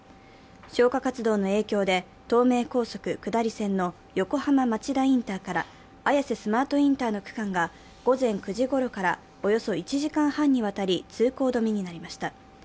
消火活動の影響で、東名高速下り線の横浜町田インターから綾瀬スマートインターの区間が午前９時ごろからおよそ１時間半にわたり通行止めになりました。